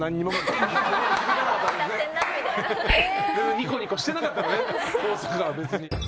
ニコニコしてなかったのね幸阪は別に。